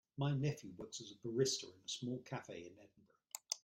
My nephew works as a barista in a small cafe in Edinburgh.